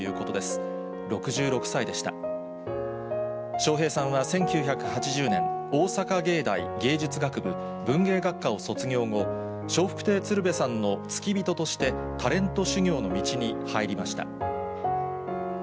笑瓶さんは１９８０年、大阪芸大芸術学部文芸学科を卒業後、笑福亭鶴瓶さんの付き人としてタレント修業の道に入りました。